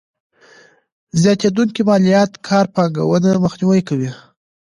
زياتېدونکې ماليات کار پانګونه مخنیوی کوي.